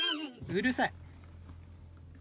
うるさい。